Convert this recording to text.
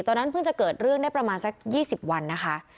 ตอนนั้นเพิ่งจะเกิดเรื่องได้ประมาณสัก๒๐วันนะคะ